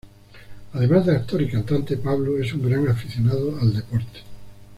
Además de actor y cantante, Pablo es un gran aficionado al deporte.